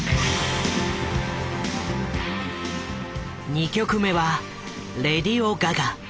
２曲目は「レディオガガ」。